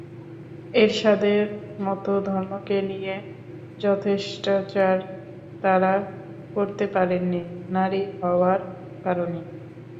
এরশাদের মতো ধর্মকে নিয়ে যথেচ্ছাচার তাঁরা করতে পারেননি, নারী হওয়ার কারণেই।